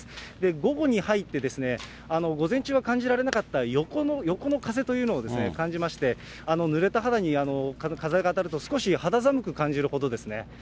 午後に入って、午前中は感じられなかった横の風というのを感じまして、ぬれた肌に風が当たると、少し肌寒く感じるほどですね。